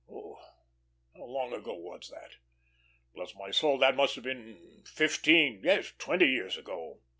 Oh how long ago was that? Bless my soul, that must have been fifteen, yes twenty years ago."